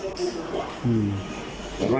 พี่ยืดลายมาพอก็ถูกแล้วก็ถูกแล้วก็ถูก